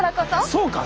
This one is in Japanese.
そうか。